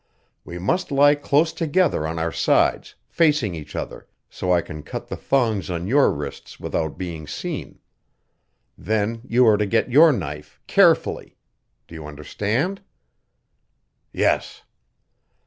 We must lie close together on our sides, facing each other, so I can cut the thongs on your wrists without being seen. Then you are to get your knife carefully. Do you understand?" "Yes."